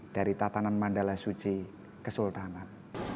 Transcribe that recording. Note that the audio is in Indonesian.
dari tatanan mandala suci ke sultanat